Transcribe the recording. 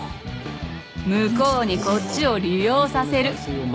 向こうにこっちを利用させる。